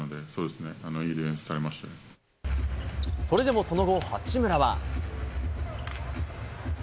それでもその後、八村は。